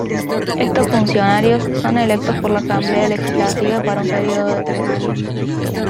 Estos funcionarios son electos por la Asamblea Legislativa para un período de tres años.